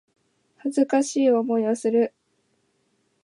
恥ずかしい思いをする